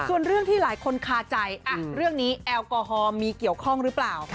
ส่วนเรื่องที่หลายคนคาใจเรื่องนี้แอลกอฮอลมีเกี่ยวข้องหรือเปล่า